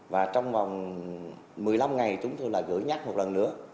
và trong vòng một mươi năm ngày chúng tôi lại gửi nhắc một lần nữa